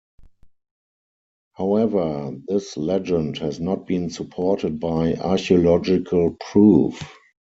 However, this legend has not been supported by archaeological proof.